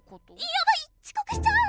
やばいちこくしちゃう！